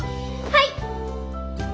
はい！